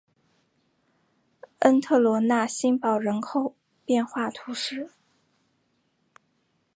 恩特罗讷新堡人口变化图示